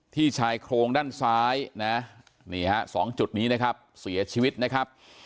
ชายโครงด้านซ้ายนะนี่ฮะสองจุดนี้นะครับเสียชีวิตนะครับ